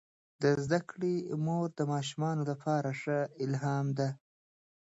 د زده کړې مور د ماشومانو لپاره ښه الهام ده.